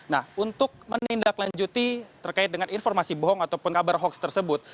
nah untuk menindaklanjuti terkait dengan informasi bohong ataupun kabar hoax tersebut